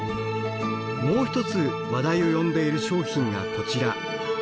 もう一つ話題を呼んでいる商品がこちら。